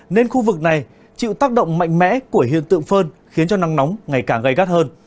nên khu vực này chịu tác động mạnh mẽ của hiện tượng phơn khiến cho nắng nóng ngày càng gây gắt hơn